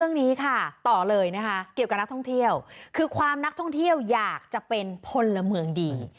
เรื่องนี้ค่ะต่อเลยนะคะเกี่ยวกับนักท่องเที่ยวคือความนักท่องเที่ยวอยากจะเป็นพลเมืองดี